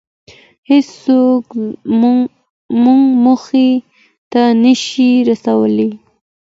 هېڅوک مو موخې ته نشي رسولی.